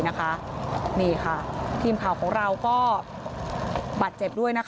นี่ค่ะทีมข่าวของเราก็บาดเจ็บด้วย